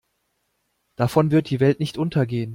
Davon wird die Welt nicht untergehen.